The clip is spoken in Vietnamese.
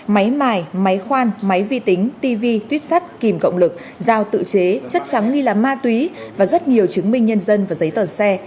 máy mài máy khoan máy vi tính tv tuyếp sắt kìm cộng lực giao tự chế chất trắng nghi là ma túy và rất nhiều chứng minh nhân dân và giấy tờ xe